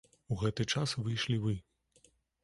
У гэты час выйшлі вы.